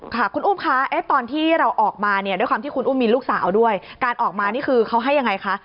ค่ะคุณอุ้มคะตอนที่เราออกมาเนี่ยด้วยความที่คุณอุ้มมีลูกสาวด้วยการออกมานี่คือเขาให้ยังไงคะ